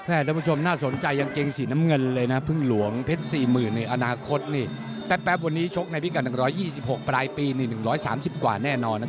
ท่านผู้ชมน่าสนใจกางเกงสีน้ำเงินเลยนะพึ่งหลวงเพชร๔๐๐๐ในอนาคตนี่แป๊บวันนี้ชกในพิกัด๑๒๖ปลายปีนี่๑๓๐กว่าแน่นอน